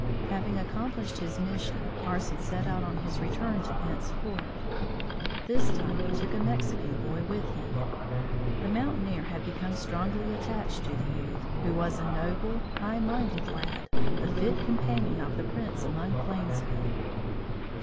Having accomplished his mission, Carson set out on his return to Bent's Fort. This time he took a Mexican boy with him. The mountaineer had become strongly attached to the youth, who was a noble, high minded lad, the fit companion of the prince among plainsmen.